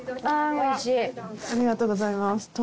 ありがとうございます。